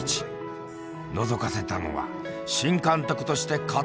のぞかせたのは新監督として葛藤する姿。